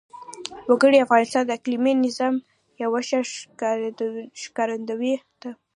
وګړي د افغانستان د اقلیمي نظام یوه ښه ښکارندوی ده.